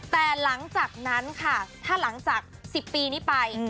แต่หลังจากนั้นค่ะถ้าหลังจาก๑๐ปีนี้ไป